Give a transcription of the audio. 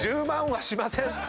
２０万はしません。